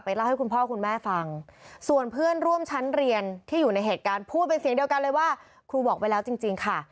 พูดเป็นเสียงเดียวกันเลยว่าครูบอกไว้แล้วจริงค่ะ